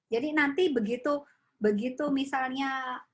jadi nanti begitu begitu misalnya